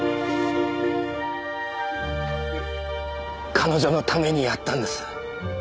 彼女のためにやったんです。